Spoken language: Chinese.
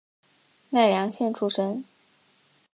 奈良县出身。